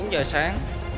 bốn giờ sáng